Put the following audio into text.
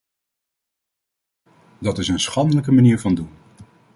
Dat is een schandelijke manier van doen.